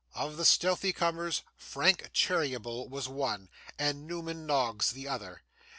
Of the stealthy comers, Frank Cheeryble was one, and Newman Noggs the other.